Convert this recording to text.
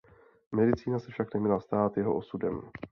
Medicína se však neměla stát jeho osudem.